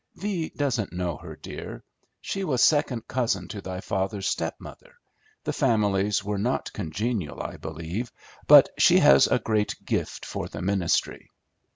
"Thee doesn't know her, dear. She was second cousin to thy father's stepmother; the families were not congenial, I believe, but she has a great gift for the ministry."